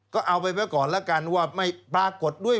ก็เอาไปไว้ก่อนแล้วกันว่าไม่ปรากฏด้วย